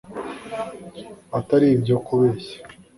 Atari ibyo kubeshya